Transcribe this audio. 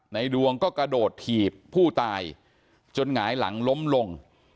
ในดวงก็กระโดดถีบผู้ตายจนหงายหลังล้มลง